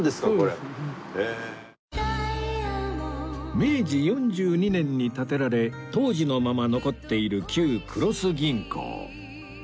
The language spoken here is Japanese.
明治４２年に建てられ当時のまま残っている旧黒須銀行